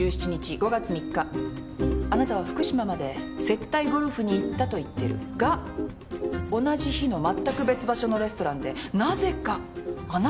あなたは福島まで接待ゴルフに行ったと言ってる。が同じ日のまったく別場所のレストランでなぜかあなたのカードが使われていた。